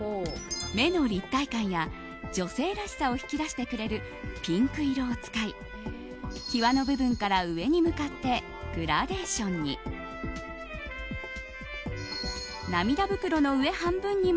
目の立体感や女性らしさを引き出してくれるピンク色を使い際の部分から上に向かってグラデーションに。